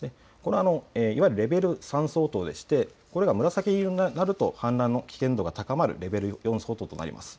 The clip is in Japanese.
いわゆるレベル３相当でしてこれが紫色になると氾濫の危険度が高まるレベル４相当となります。